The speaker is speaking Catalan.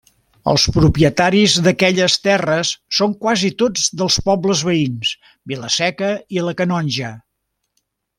Els propietaris d'aquelles terres són quasi tots dels pobles veïns, Vila-seca i La Canonja.